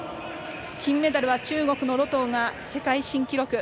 金メダルは中国の盧冬が世界新記録。